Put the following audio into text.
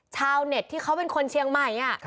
ชาวเน็ตที่เขาเป็นคนเชียงใหม่